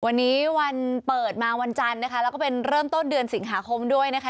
วันนี้วันเปิดมาวันจันทร์นะคะแล้วก็เป็นเริ่มต้นเดือนสิงหาคมด้วยนะคะ